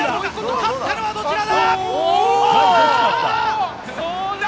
勝ったのはどちらだ？